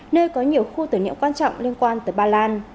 nơi có nhiều khu tử niệm quan trọng liên quan tới ba lan